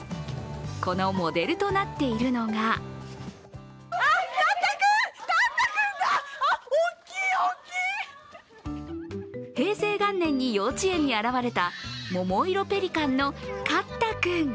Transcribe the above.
このモデルとなっているのが平成元年に幼稚園に現れた、モモイロペリカンのカッタくん。